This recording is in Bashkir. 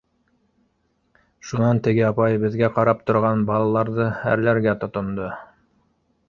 Шунан теге апай беҙгә ҡарап торған балаларҙы әрләргә тотондо: